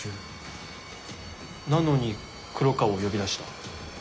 なのに黒川を呼び出した。